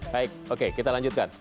baik oke kita lanjutkan